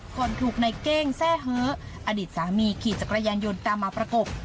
ก่อนถูกในเก้งแทร่เฮ้ออดีตสามีขี่จักรยานยนต์ตามมาประกบ